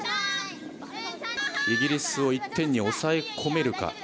イギリスを１点に抑え込めるか。